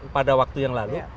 pada waktu yang lalu